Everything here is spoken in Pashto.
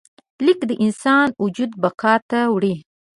لیک د انسان وجود بقا ته وړي.